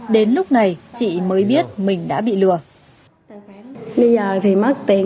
đến lúc này chị mới biết mình đã bị lừa